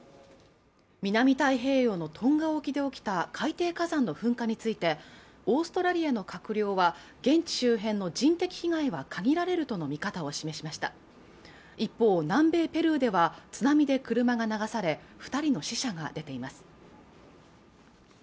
南太平洋のトンガ沖で起きた海底火山の噴火についてオーストラリアの閣僚は現地周辺の人的被害は限られるとの見方を示しました一方、南米ペルーでは津波で車が流され二人の死者が出ています